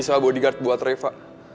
sama bodyguard buat reva